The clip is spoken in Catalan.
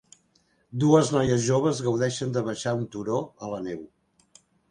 Dues noies joves gaudeixen de baixar un turó a la neu.